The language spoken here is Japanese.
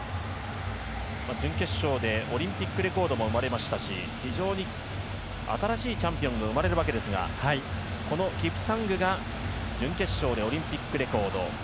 準決勝でオリンピックレコードも生まれましたし非常に新しいチャンピオンが生まれるわけですがキプサングが準決勝でオリンピックレコード。